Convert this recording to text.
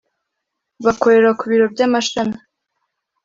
bakorera ku biro by amashami